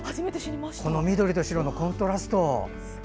緑と白のコントラスト。